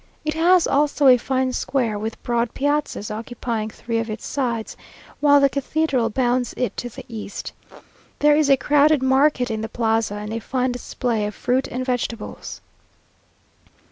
It has also a fine square, with broad piazzas occupying three of its sides, while the cathedral bounds it to the east. There is a crowded market in the plaza, and a fine display of fruit and vegetables.